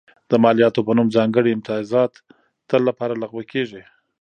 د مالیاتو په نوم ځانګړي امتیازات تل لپاره لغوه کېږي.